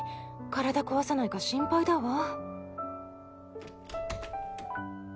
体壊さないか心配だわ。